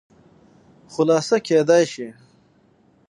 خلاصه کېداى شي